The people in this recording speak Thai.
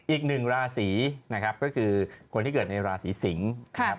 อีกหนึ่งราศีนะครับก็คือคนที่เกิดในราศีสิงศ์นะครับ